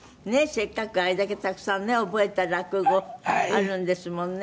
せっかくあれだけたくさんね覚えた落語あるんですもんね。